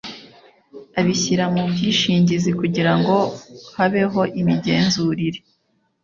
Abishyira mu bwishingizi kugira ngo habeho imigenzurire